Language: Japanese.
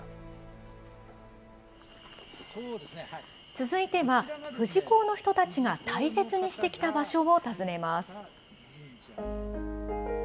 続いては、富士講の人たちが大切にしてきた場所を訪ねます。